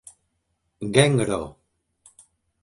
genro